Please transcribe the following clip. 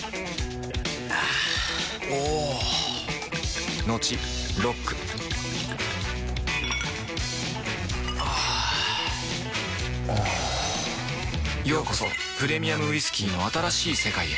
あぁおぉトクトクあぁおぉようこそプレミアムウイスキーの新しい世界へ